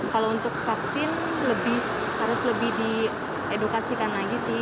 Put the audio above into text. kalau untuk vaksin harus lebih diedukasikan lagi sih